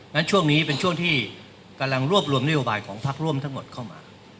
ฉะช่วงนี้เป็นช่วงที่กำลังรวบรวมนโยบายของพักร่วมทั้งหมดเข้ามา